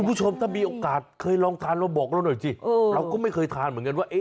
คุณผู้ชมถ้ามีโอกาสเคยลองทานเราบอกเราหน่อยสิเราก็ไม่เคยทานเหมือนกันว่า